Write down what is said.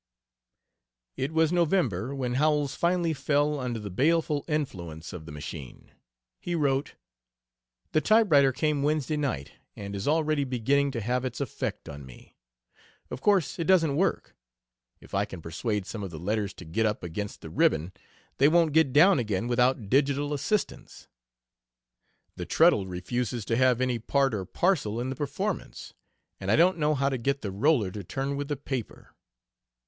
It was November when Howells finally fell under the baleful influence of the machine. He wrote: "The typewriter came Wednesday night, and is already beginning to have its effect on me. Of course, it doesn't work: if I can persuade some of the letters to get up against the ribbon they won't get down again without digital assistance. The treadle refuses to have any part or parcel in the performance; and I don't know how to get the roller to turn with the paper.